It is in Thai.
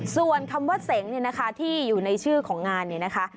ส่วนคำว่าเสงเนี่ยนะคะที่อยู่ในชื่อของงานเนี่ยนะคะ